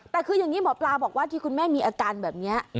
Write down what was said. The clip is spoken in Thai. แต่คืออย่างนี้หมอปลาบอกว่าที่คุณแม่มีอาการแบบนี้